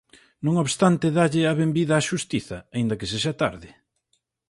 Non obstante dálle "a benvida á Xustiza, aínda que sexa tarde".